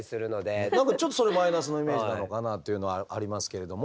何かちょっとそれマイナスのイメージなのかなっていうのはありますけれども。